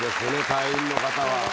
隊員の方は。